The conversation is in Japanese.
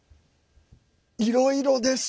いろいろです。